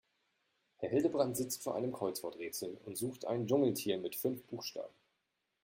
Herr Hildebrand sitzt vor einem Kreuzworträtsel und sucht ein Dschungeltier mit fünf Buchstaben.